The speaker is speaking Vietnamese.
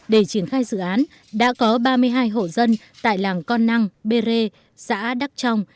để triển khai dự án đã có ba mươi hai hộ dân tại làng con năng bê rê xã đắk trong